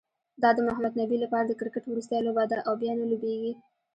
دا د محمد نبي لپاره د کرکټ وروستۍ لوبه ده، او بیا نه لوبیږي